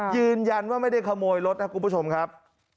ยืนยันว่าไม่ได้ขโมยรถนะคุณผู้ชมครับ